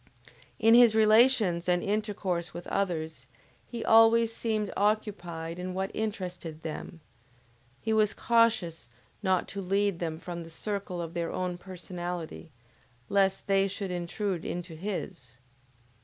In his relations and intercourse with others, he always seemed occupied in what interested them; he was cautions not to lead them from the circle of their own personality, lest they should intrude into his.